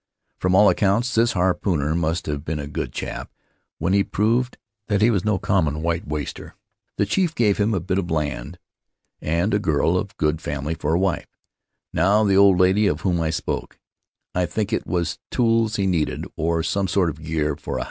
From all accounts this harpooner must have been a good chap; when he proved that he was no common white waster, the chief gave him a bit of land Faery Lands of the South Seas and a girl of good family for a wife — now the old lady of whom I spoke. I think it was tools he needed, or some sort of gear for a.